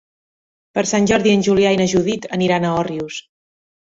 Per Sant Jordi en Julià i na Judit aniran a Òrrius.